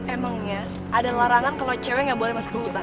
emangnya ada larangan kalau cewek nggak boleh masuk ke hutan